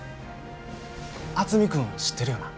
渥美君知ってるよな？